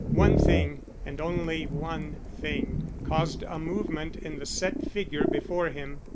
One thing, and only one thing, caused a movement in the set figure before him.